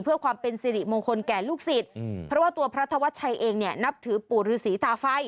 เพื่อความเป็นสิริมงคลแก่ลูกศิษย์เพราะว่าตัวพระธวัชชัยเองเนี่ยนับถือปู่ฤษีตาไฟ